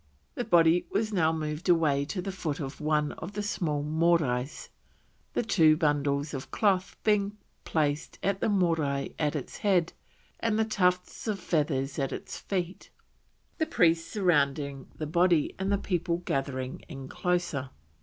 The body was now moved away to the foot of one of the small Morais, the two bundles of cloth being placed on the Morai at its head and the tufts of feathers at its feet, the priests surrounding the body and the people gathering in closer.